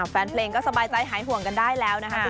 แฟนเพลงก็สบายใจหายห่วงกันได้แล้วนะคะ